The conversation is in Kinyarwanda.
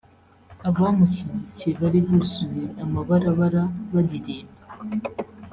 Abamushigikiye bari buzuye amabarabara baririmba